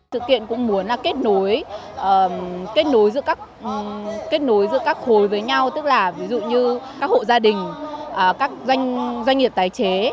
sự kiện cũng muốn kết nối giữa các khối với nhau tức là ví dụ như các hộ gia đình các doanh nghiệp tài chế